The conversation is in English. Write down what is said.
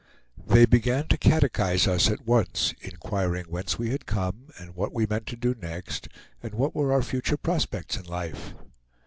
They began to catechise us at once, inquiring whence we had come, what we meant to do next, and what were our future prospects in life.